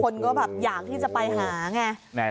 คนก็แบบอยากที่จะไปหาไง